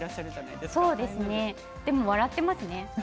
でも笑っていますね。